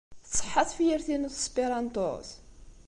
Tṣeḥḥa tefyirt-inu s tesperantot?